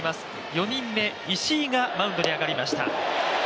４人目、石井がマウンドに上がりました。